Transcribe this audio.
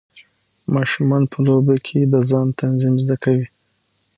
ماشومان په لوبو کې د ځان تنظیم زده کوي.